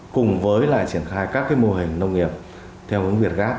cùng với triển khai các mô hình nông nghiệp theo hướng việt gáp